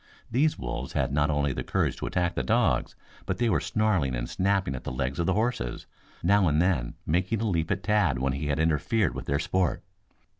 These wolves had not only the courage to attack the dogs, but they were snarling and snapping at the legs of the horses, now and then making a leap at Tad when he had interfered with their sport.